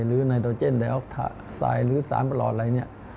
หรือไนโดเจนไดออกไซด์หรือสารประหลอดอะไร